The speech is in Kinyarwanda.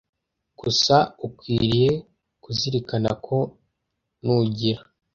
gusa ukwiriye kuzirikana ko nugira